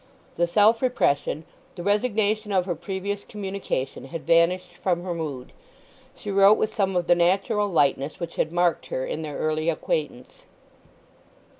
The self repression, the resignation of her previous communication had vanished from her mood; she wrote with some of the natural lightness which had marked her in their early acquaintance.